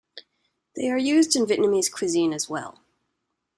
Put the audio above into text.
They are used in Vietnamese cuisine as well.